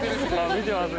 見てます。